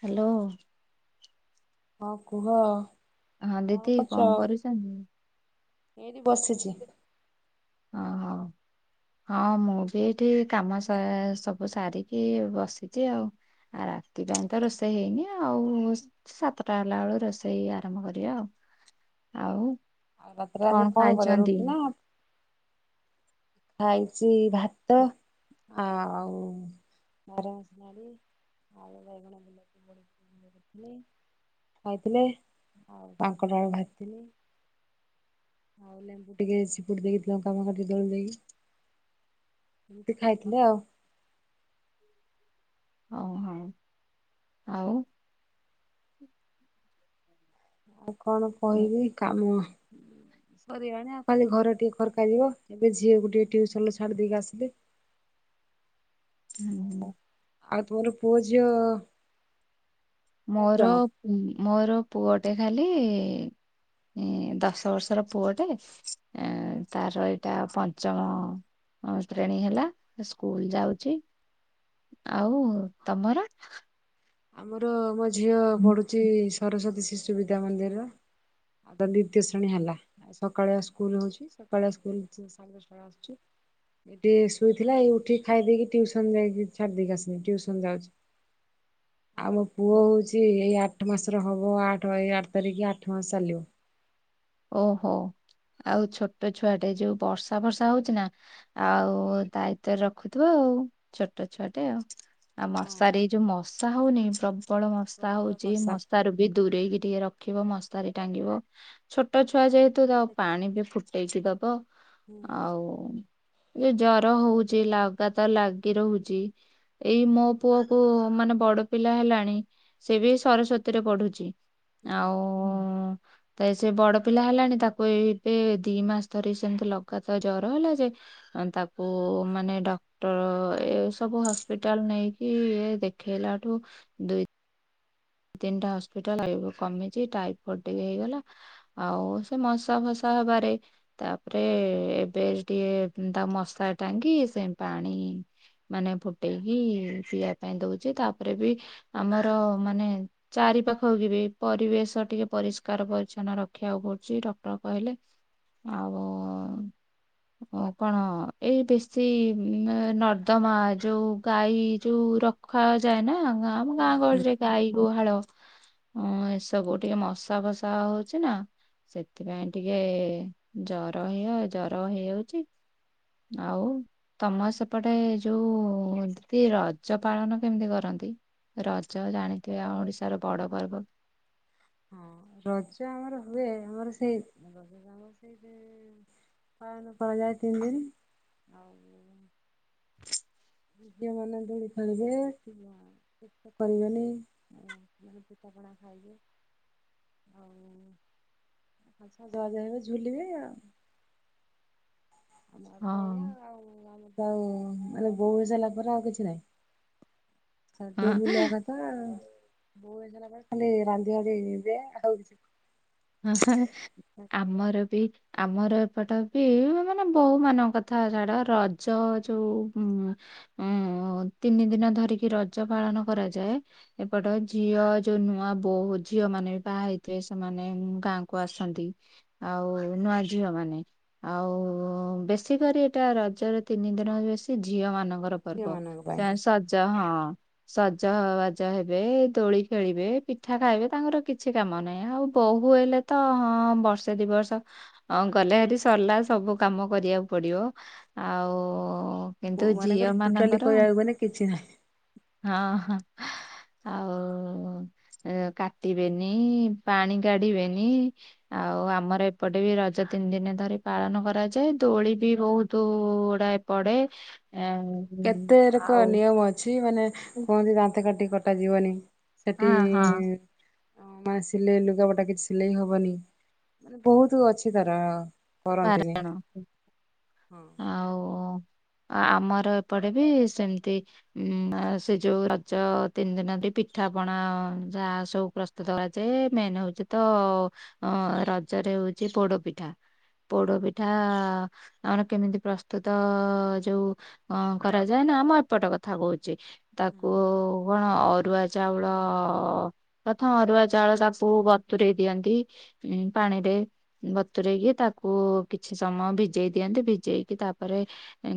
Hello. ହଁ କୁହ ହଁ କଣ ଦିଦି କରୁଛ? କଣ କରୁଛନ୍ତି? ଏଇଠି ବସିଛି। ଅ ହଁ। ହଁ ମୁଁ ବି ଏଠି କାମ ସା ସବୁ ସାରିକି ବସିଛି ଆଉ। ଆ ରାତି ପାଇଁ ତ ରୋଷେଇ ହେଇନି ଆଉ। ସାତଟା ହେଲା ବେଳୁ ରୋଷେଇ ଆରମ୍ଭ କରିବା ଆଉ ଆଉ। ଆଉ ରାତିରେ ଆଜି କଣ କରିବା ରୁଟି ନା ଖାଇଛି ଭାତ। ଆଉ ନରମ [unintelligible] ଆଳୁ ବାଇଗଣ ବିଲାତି। [unintelligible] ଖାଇଥିଲେ ଆଉ କାଙ୍କଡ଼ ଆଳୁ ଭଜିଥିଲି। ହଉ ଲେମ୍ବୁ ଟିକେ ଚିପୁଡି ଦେଇକି। [unintelligible] ଏମିତି ଖାଇଥିଲେ ଆଉ। ହଉ ହଉ। ଆଉ? ଆଉ କଣ ହୁଁ କହିବି କାମୁଅ। ସରଗଲାଣି ଆଉ ଖାଲି ଘର ଟିକେ ଖରକା ଯିବ ଏବେ ଝିଅକୁ ଟିକେ ଟ୍ୟୁସନ ଛାଡ଼ି ଦେଇକି ଆସିଲି। ହୁଁ ହୁଁ। ଆଉ ତୁମର ପୁଅ ଜିଅ ମୋର ମୋର ପୁଅଟେ ଖାଲି ଏଁ ଦଶ ବର୍ଷର ପୁଅଟେ ତାର ଏଇଟା ପଞ୍ଚମ ଅଷ୍ଟମ ଶ୍ରେଣୀ ହେଲା ସ୍କୁଲ ଯାଉଛି। ଆଉ ତମର? ଆମର ମୋ ଝିଅ ପଢ଼ୁଛି ସରସ୍ଵତୀ ଶିଶୁ ବିଦ୍ୟା ମନ୍ଦିର। ତା ଦ୍ୱତୀୟ ଶ୍ରେଣୀ ହେଲା ସକାଳୁଆ ସ୍କୁଲ ହେଉଛି ସକାଳୁଆ ସ୍କୁଲ [inaudible] ଏଠି ଶୋଇଥିଲା ଏଇ ଉଠିକି ଖାଇ ଦେଇେଇକି ଟଉସନ ଯାଇକି- ଛାଡି ଦେଇକି ଆସନି ଟଉସନ ଯାଉଛି ଆଉ ମୋ ପୁଅ ହଉଛି ଏଇ ଆଠ ମାସର ହବ ଆଠ ଏଇ ଆଠ ତାରିଖ ଆଠ ମାସ ଚାଲିବ। ଓହୋ ଆଉ ଛୋଟ ଛୁଆଟେ ଯୋଉ ବର୍ଷା ବର୍ଷା ହଉଛି ନା। ଆଉ ଦାୟିତ୍ଵରେ ରଖୁଥିବ ଆଉ ଛୋଟ ଛୁଆ ଟେ ଆଉ। ଆଉ ହଁ ମଶାରେ ଏଇ ଯୋଉ ମଶା ହଉନି ପ୍ରବଳ ମଶା ପ୍ରବଳ ହଉଛି ବର୍ଷା ମଶାରୁ ବି ଦୂରେଇକି ଟିକେ ରଖିବ ମସାରି ଟାଙ୍ଗିବ। ଛୋଟ ଛୁଆ ଯେହେତୁ ତା ପାଣି ବି ଫୁଟେଇକି ଦବ ହୁଁ ଆଉ ଜର ହଉଛି ଲଗାତର ଲାଗି ରହୁଛି ଏଇ ମୋ ପୁଅ କ ମାନେ ବଡ ପିଲା ହେଲାଣି ସେ ବି ସରସ୍ଵତୀ ରେ ପଢୁଛି। ହୁଁ ଆଉ ତ ସେ ବଡ ପିଲା ହେଲାଣି ତାକୁ ଏବେ ଦି ମାସ ଧରି ସେମିତି ଲଗାତ ଜର ହେଲା ଯେ ତାକୁ ମାନେ ଡ ଏ ସବୁ ହସ୍ପିଟାଲ ନେଇକି ଏ ଦେଖେଇଲାଠୁ ଦୁଇ ତିନିଟା ହସ୍ପିଟାଲ କମିଛି ଟାଇଫଏଡ ଟିକେ ହେଇଗଲା। ଆଉ ସେ ମଶା ଫସା ହବାରେ ତାପରେ ଏବେ ଟିକେ ତା ମଶା ଟାଙ୍ଗି ସେ ପାଣି ମାନେ ଫୁଟେଇକି ପିଇବା ପାଇଁ ଦଉଛିତାପରେ ବି ଆମର ମାନେ ଚାରି ପାଖକୁ କି ବି ପରିବେଶ ଟିକେ ପରିଷ୍କାର ପରିଛନ୍ନ ରଖିବାକୁ ପଡୁଛି ଡକ୍ଟର କହିଲେ। ଆଉ ଓ କଣ ଏଇ ବେଶୀ ନର୍ଦ୍ଦମା ଯୋଉ ଗାଈ ଯୋଉ ରକ୍ତ ଖୁଆଯାଏ ନା ଆମ ହୁଁ ଗାଁ ହୁଁ। ଗହଳିରେ ଗାଈ ଗୁହାଳ ହଁ ଏସବୁ ଟିକେ ମଶା ଫସା ହଉଛି ନା। ସେଥିପାଇଁ ଟିକେ ଜର ହେଇ ଜର ହେଇଯାଉଛି। ଆଉ ତମ ସେପଟେ ଯୋଉ ଏ ରଜ ପାଳନ କେମିତି କରନ୍ତି? ରଜ ଜାଣିଥିବେ ଆ ଓଡିଶାର ବଡ ପର୍ବ। ହଁ ରଜ ଆମର ହୁଏ ଆମର ସେଇ ପାଳନ କରାଯାଏ ତିନି ଦିନ। ଝିଅ ମାନେ ଦୋଳି ଖେଳିବେ କିବା [inaudible] କରିବେନି ଆଉ। ଟପଣା ଖାଇଏ ହଉ ଆଛ ଯହାଜା ହେବେ ଝୁଲିବେ ଆଉ ଆମ ହଁ। ଆଉ ଆମଉ ମାନେ ବୋଉ ହୋଇସାରିଲା ପରେ ଆଉ କିଛି ନହିଁ ଖାଲି ଟିକେ ବୁଲିବା କଥ ହ ବୋଉ ହେଇଗଲା ପରେ ଖାଲି ରାନ୍ଧି ବଢ଼ି କି ଦେ ଆଉ [unintelligible] ଆମର ବି ଆମର ଏପଟ ବି ମାନେ ବୋହୁ ମାନଙ୍କ କଥା ଛାଡ ରଜ ଯୋଉ ଉଁ ତିନି ଦିନ ଧରିକି ରଜ ପାଳନ କରାଯାଏ। ଏପଟ ଝିଅ ଯୋଉ ନୂଆ ବୋଉ ଝିଅ ମାନେ ବି ବାହା ହେଇଥିବେ ସେମାନେ ଗାଁ କୁ ଆସନ୍ତି ଆଉ ନୂଆ ଝିଅ ମାନେ ଆଉ ବେଶୀ କରି ଏଟା ରଜରେ ତିନି ଦିନ ବେଶୀ ଝିଅ ମାନଙ୍କୁ ର ଝିଅ ପର୍ବ ମାନଙ୍କ ପାଇଁ ସେ ସଜ ହଁ। ସଜବାଜ ହେବେ ଦୋଳି ଖେଳିବେ ପିଠା ଖାଇବେ ତାଙ୍କର କିଛି କାମ ନାହିଁ ଆଉ। ବୋହୂ ହେଲେ ତ ହଁ ବର୍ଷେ ଦି ବର୍ଷ ହଁ ଗଲେ ହେରି ସରିଲା ସବୁ କାମ କରିବାକୁ ପଡିବ ଆଉ ବୋଉ କିନ୍ତୁ ଝିଅ ମାନଙ୍କର ଟୋଟାଲି ମାନଙ୍କର କହିବାକୁ ଗଲେ କିଛି ନାହିଁ। ହଁ ହଁ ଆଉ କାଟିବେନି ପାଣି କାଢିବେନି ହଁ ଆଉ ଆମର ଏପଟେ ବି ରଜ ତିନି ଦିନ ଧରି ପାଳନ କରାଯାଏ ଦୋଳି ବି ବହୁତ ଗୁଡ଼ାଏ ପଡ଼େ। ଏଁ କେତେ ରେକ ଆଉ ନିୟମ ଅଛି ମାନେ ହଁ କୁହନ୍ତି ଦାନ୍ତ କାଠି କଟା ଯିବନି। ସେଠି ହଁ ଇଁ ମାନେ ସିଲେଇ ଲୁଗାପଟା କିଛି ସିଲେଇ ହବନି ମାନେ ବହୁତୁ ଅଛି ତାର କରନ୍ତିନି। ବାରଜଣ ହଁ ଆଉ ଆ-ଆମର ଏପଟେ ବି ସେମିତି ଉଁ ସେ ଯୋଉ ରଜ ତିନି ଦିନ ବି ପିଠା ପଣା ଯାହା ସବୁ ପ୍ରସ୍ତୁ ଦଳା ଯାଏ ମେନ୍ ହଉଛି ତ ଅ ରଜରେ ହଉଛି ପୋଡ଼ ପିଠା ପୋଡ଼ ପିଠା ଆମର କେମିତି ପ୍ରସ୍ତୁତ ଯୋଉ ଅ କରାଯାଏ ନା ଆମ ଏପଟ କଥା କହୁଛି ତାକୁ କଣ ଅରୁଆ ଚାଉଳ ତଥା ଅରୁଆ ଚାଉଳ ତାକୁ ବତରେଇ ଦିଅନ୍ତି। ଉ ପାଣି ରେ ବତରେଇ କିି ତା କୁ କିଛି ସମୟ ଭିଜେଇ ଦିଅନ୍ତି ଭିଜେଇକି ତାପରେ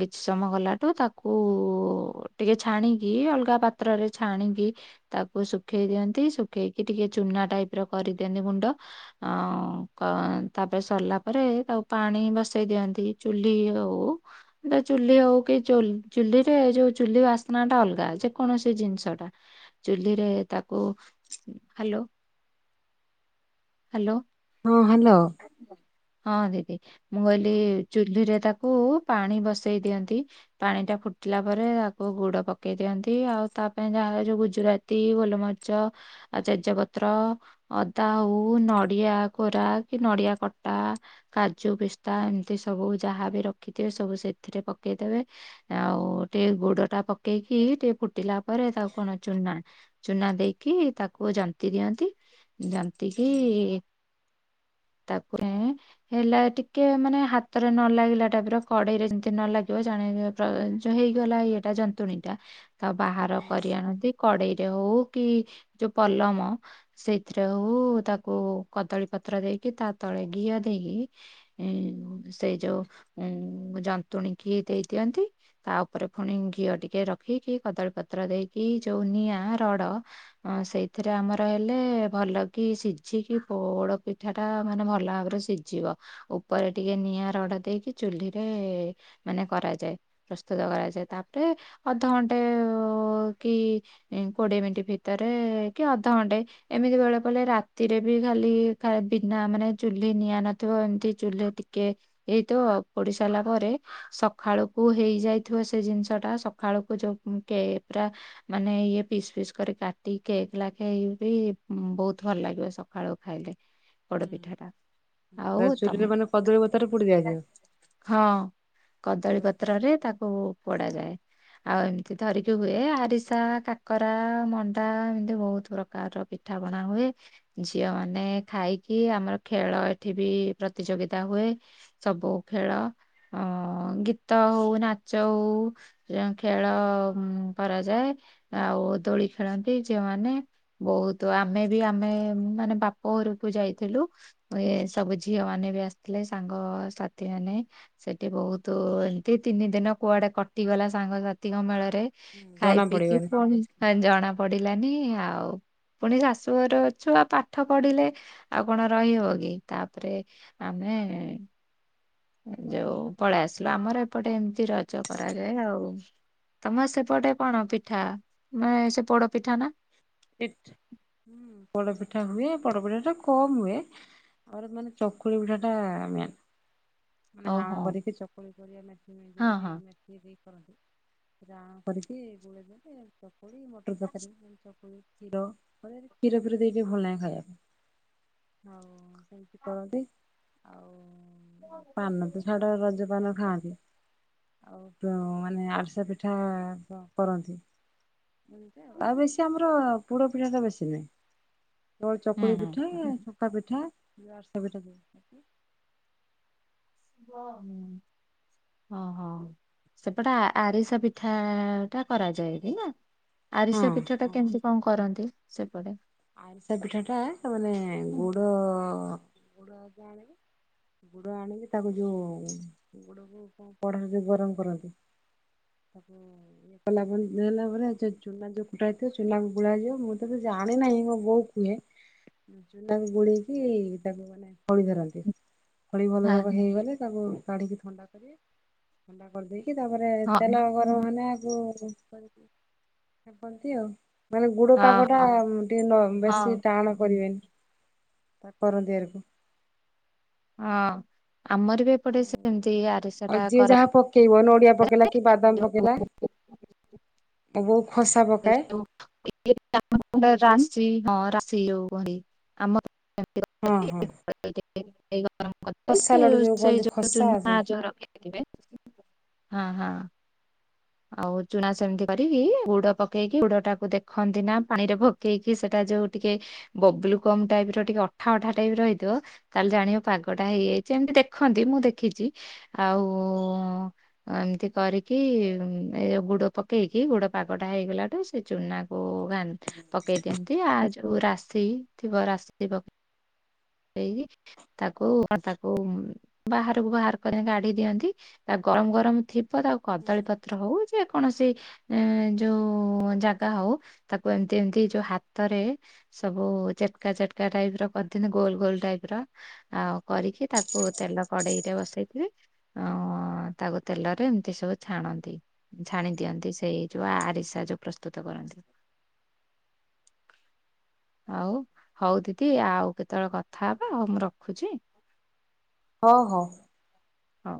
କିଛି ସମୟ ଗଲାଠୁ ତାକୁ ଟିକେ ଛାଣିକି ଅଲଗା ପାତ୍ରରେ ଛାଣିକି ତାକୁ ଶୁଖେଇ ଦିଅନ୍ତି ଶୁଖେଇକି ଟିକେ ଚୁନା ଟାଇପ ର କରିଦିଅନ୍ତି ଗୁଣ୍ଡ ଆଁ ତାପରେ ସରିଲା ପରେ ତାକୁ ପାଣି ବସେଇ ଦିଅନ୍ତି ଚୁଲି ହଉ ଏଟା ଚୁଲି ହଉ କି ଚୁ-ଚୁଲିରେ ଯୋଉ ଚୁଲି ବାସ୍ନା ଟା ଅଲଗା ଅଛି କୌଣସି ଜିନିଷଟା ଚୁଲିରେ ତାକୁ ହଲୋ ହଲୋ ହଁ ହାଲୋ ହଁ ଦିଦି ମୁଁ କହିଲି ଚୁଲିରେ ତାକୁ ପାଣି ବସେଇ ଦିଅନ୍ତି। ପାଣି ଟା ଫୁଟିଲା ପରେ ଆକୁ ଗୁଡ଼ ପକେଇ ଦିଅନ୍ତି ଆଉ ତା ପାଇଁ ଯାହାର ଯାହାହେଲେ ଗୁଜୁରାତି ତି ଗୋଲମର୍ଚ୍ଚ ଆ ଜେଜପତ୍ର ଅଦା ହଉ ନଡ଼ିଆ କୋରା କି ନଡ଼ିଆ କଟା କାଜୁ ପିସ୍ତା ଏମିତି ସବୁ ଯାହାବି ରଖିଥିବେ ସବୁ ସେଥିରେ ପକେଇଦେବେ ଆଉ ଟିକେ ଗୋଡ଼ ଟା ପକେଇକି ଟିକେ ଫୁଟିଲା ପରେ ତାକୁ କଣ ଚୁନା ଚୁନା ଦେଇକି ତାକୁ ଜନ୍ତି ଦିଅନ୍ତି ଜନ୍ତି କିି ତାପରେ ହେଲା ଟିକେ ମାନେ ହାତରେ ନ ଲାଗିଲା ଟାଇପ୍ ର କଡେଇରେ ଯେମିତି ନ ଲାଗିବ ଜାଣେ ହେଇଗଲା ଏଇଟା ଯନ୍ତୁଣୀ ଟା ତ ବାହାର କରି ଆଣନ୍ତି। କଡେଇରେ ହଉ କି ଯୋଉ ପଲମ ସେଇଥିରେ ହଉ ତାକୁ କଦଳୀ ପତ୍ର ଦେଇକି ତା ତଳେ ଘିଅ ଦେଇକି ସେଇ ଯୋଉ ଉ ଯନ୍ତୁଣୀ କିି ଦେଇ ଦିଅନ୍ତି। ତା ଉପରେ ପୁଣି ଘିଅ ଟିକେ ରଖିକି କଦଳୀ ପତ୍ର ଦେଇକି ଯୋଉ ନିଆଁ ରଡ଼ ହଁ ସେଇଥିରେ ଆମର ହେଲେ ଭଲ କି ସିଝିକି ପୋଅଡ଼ ପି ପିଠା ଟା ମାନେ ଭଲ ଭାବରେ ସିଝିବ। ଉପରେ ଟିକେ ନିଆଁ ରଡ ଦେଇକି ଚୁଲିରେ ମାନେ କରାଯାଏ। ପ୍ରସ୍ତୁତ କରାଯାଏ ତାପରେ ଅଧଘଣ୍ଟେ କି କୋଡିଏ ମିନିଟ ଭିତରେ କି ଅଧଘଣ୍ଟେ ଏମିତି ବେଳେ ପଲେ ରାତିରେ ବି ଖାଲି ବିନା ମାନେ ଚୁଲି ନିଆ ନଥିବ ଏମିତି ଚୁଲିରେ ଟିକେ ଏଇତ ପୋଡ଼ି ସାରିଲା ପରେ ସଖାଳୁକୁ ହେଇଯାଇଥିବ ସେ ଜିନିଷ ଟା ସକାଳୁକୁ ଯୋଉ କେ ପୁରା ମାନେ ଇଏ ପିସ୍ ପିସ୍ କରି କାଟି କେକ୍ ଲାଖେ ୟୁବି ବହୁତ ଭଲ ଲାଗିବ ସକାଳୁ ଖାଇଲେ। ପୋଡ ହୁଁ ପିଠା ହୁଁ। ଟା ତା ଆଉ ଚୁଲିରେ ତମ ମାନେ କଦଳୀ ପତାରେ ପୋଡି ଦିଆଯିବ। ହଁ କଦଳୀ ପତ୍ରରେ ତାକୁ ପୋଡା ଯାଏ। ଆଉ ଏମିତି ଧରିକି ହୁଏ ଆରିସା କାକରା ମଣ୍ଡା ଏମିତି ବହୁତ ପ୍ରକାରର ପି ପିଠା ବନା ହୁଏ ଝିଅ ମାନେ ଖାଇକି ଆମର ଖେଳ ଏଠି ବି ପ୍ରତିଯୋଗିତା ହୁଏ ସବୁ ଖେଳ ଅ ହଁ ଗୀତ ହଉ ନାଚ ହଉ। ଯେଉଁ ଖେଳ କରାଯାଏ। ଆଉ ଦୋଳି ଖେଳନ୍ତି ଯିଉମାନୋନ ବହୁତ ଆମେ ବି ଆମେ ମାନେ ବାପ ବାପ ଘର କୁ ଯାଇଥିଲୁ ସବୁ ଝିଅ ମାନେ ବି ଆସିଥିଲେ ସାଙ୍ଗ ସାଥି ମାନେ ସେଠି ବହୁତ ଏମତି ତିନି ଦିନ କୁଆଡେ କଟିଗଲା ସାଙ୍ଗସାଥିଙ୍କ ମେଳରେ। ଖାଇ ଜଣା ପିଇକି ପଡିବନି। ପଣି ହ ଜଣା ପଡିଲାନି ଆଉ ପୁଣି ଶାଶୁଘର ଅଛୁ ଆ ପାଠ ପଡିଲେ ଆଉ କଣ ରହିହବ କି ତାପରେ ଆମେ ଯୋଉ ପଳେଇ ଆସିଲୁ ଆମର ଏପଟେ ଏମିତି ରଜ କରାଯାଏ ଆଉ। ତମେ ସେପଟେ କଣ ପିଠା ମାନେ ସେ ପୋଡ ପିଠା ନା? ହୁଁ ପୋଡପିଠା ହୁଏ ପୋଡପିଠା ଟା କମ ହୁଏ। ମୋର ମାନେ ଚକୁଳି ପିଠା ଟା ମେନ୍। ମାନେ ଅଣ ଓହୋ କରିକି ତାକୁ ଚକୁଳି କରିବା ଯୋଉ ହଁ ହଁ। ଦେଇକି ନା ଇଏ ବି କରନ୍ତି ସେ ଆଣ କରିକି ଗୋଳେଇ ଦେଲେ ଚକୁଳି ମଟର ତରକାରୀ ଚ ଖିର ଫଳରେ ଖିର ଫିର ଦେଇକି ଭଲ ଲାଗେ ଖାଇବାକୁ ପାଇଁ ଆଉ। ସେମିତି କରନ୍ତି ଆଉ ପାନ ତ ଛାଡ ରସଜ ପାନ ଖାଆନ୍ତି। ଆଉ ମାନେ ଆରିସା ପିଠା କରନ୍ତି। ଆଉ ବେଶୀ ଆମର ପୋଡ ପିଠାଟା ବେଶୀ ନହିଁ। ହୁଁ ଚକୁଳି ପିଠା ସକା ପିଠା ଆରସା ପିଠା ହଁ ନ୍। ଓହୋ ସେପଟେ ଆରିସ ପିଠା ଟା କରାଯାଏନି ନା? ଆରିଷ ହଁ ପିଠ ଟା କେମିତି କଣ କରନ୍ତି ସେପଟେ? ଆଇଷା ପିଠା ଟା ମାନେ ହଁ ଗୁଡ ଗୁଡ ଆ ଆଣିବି ଗୁଡ ଆଣିକି ତାକୁ ଯୋଉ ଗୁ ସବୁ କଣ ପଢା ବି ଗରମ କରନ୍ତି। ତାକୁ ଏକଲା ଦେଲା ପରେ ଚୁନା ଯୋଉ କୁଟା ହେଇଥିବ ଚୁନାକୁ ଗୁଳା ଯିବ ମୁଁ ତ ଯାଆ ମାନେ ନାହିଁ ମୋ ବୋଉ କୁହେ। ଚୁନାକୁ ବୁଡେଇକି ତାକୁ ମାନେ ଖଳି ଧରନ୍ତି। ଖଳି ଭଲ ଭାବରେ ହଁ ହେଇଗଲେ ତାକୁ କାଢ଼ିକି ଥଣ୍ଡା କରିବେ ଥଣ୍ଡା କରିଦେଇକି ତାପରେ ହଁ ତେଲ ଗରମ ହେଲେ ଆଗ ପନ୍ତି ଆଉ ମାନେ ଗୁଡ ପାଗଟା ହଁ ବେଶୀ ଟାଣ ହଁ। କରିବେନି ତା ପର ଦିଅରକୁ। ହଁ ଆମର ବି ଏପଟେ ଆଉ ସେମିତି ଆରିସା ଆଉ ଟା ଯିଏ କରା ଯାହା ପକେଇବ ନଡିଆ ପକେଇଲା କି ବାଦାମ ପକେଇଲା। ମୋ ବହୁ ଖସା ପକାଏ। ରାଶି ହଁ ରାଶି ଯଉ ଆମର ହଁ ହଁ ଏଇ ଗରମ କରି ଖସା ଲଡୁ ଦେଲି ଯୋଉ କହନ୍ତି ସେଜୋଉ ଖସା ଆସେ ମାଆ ଯୋଉ ରଖେ। ଦେଖିବେ ହଁ ହଁ। ଆଉ ଚୁନା ସେମିତି କରିକି ଗୁଡ ପକେଇକି ଗୁଡ ଟାକୁ ଦେଖନ୍ତି ନା ପାଣି ରେ ଭୋକ କି କି ସେଟା ଯୋଉ ଟିକେ ବବ୍ଲୁକମ୍ ଟାଇପି ର ଟିକେ ଅଠା ଅଠା ଟାଇପିର ହେଇଥିବ। ତାହେଲେ ଜାଣିବ ପାଗଟା ହେଇଯାଇଛି ଏମିତି ଦେଖନ୍ତି ମୁଁ ଦେଖିଛି। ଆଉ ଏମିତି କରିକି ଏ ଗୁଡ଼ ପକେଇକି ଗୁଡ଼ ପାଗଟା ହେଇଗଲାଠୁ ସେ ଚୁନାକୁ ଘା ପକେଇ ଦିଅନ୍ତି ଆ ଯୋଉ ରାଶି ଥିବ ରାଶିଇ ଏହି ପ୍ ତାକୁ ତାକୁ ବାହାରକୁ ବାହାର କରି କାଢି ଦିଅନ୍ତି ତା ଗରମ ଗରମ ଥୀ ବ ତ ଆଉ କଦଳୀପତ୍ର ହଉ ଯେକୌଣସି ଯୋଉ ଜାଗା ହଉ ତାକୁ ଏମତି ଏମିତି ଯୋଉ ହାତରେ ସବୁ ଚେଟକା ଚେଟକା ଟାଇପ ର କରିଦିଅନ୍ତି ଗୋଲ ଗୋଲ ଟାଇପ ର। ଆଉ କରିକି ତାକୁ ତେଲ କଡେଇରେ ବସେଇ ଥିବି। ତାକୁ ତେଲରେ ଏମିତି ସବୁ ଛାଣନ୍ତି। ଛାଣି ଦିଅନ୍ତି ସେଇ ଯୋଉ ଆରିସା ଯୋଉ ପ୍ରସ୍ତୁତ କରନ୍ତି। ଆଉ ହଉ ଦିଦି ଆଉ କେ କେତେବେଳେ କଥା ହେବା ଆଉ ମୁଁ ରଖୁଛି। ହଁ ହଉ। ହଉ।